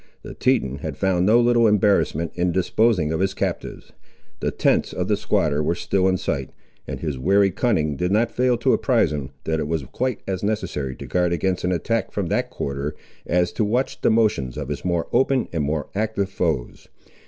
The Teton had found no little embarrassment in disposing of his captives. The tents of the squatter were still in sight, and his wary cunning did not fail to apprise him, that it was quite as necessary to guard against an attack from that quarter as to watch the motions of his more open and more active foes.